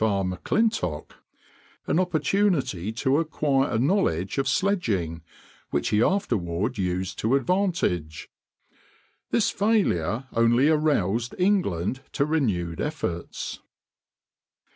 R. M'Clintock, an opportunity to acquire a knowledge of sledging, which he afterward used to advantage. This failure only aroused England to renewed efforts.